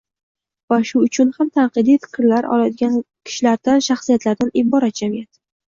va shu uchun ham tanqidiy fikrlay oladigan kishilardan — shaxsiyatlardan iborat jamiyat.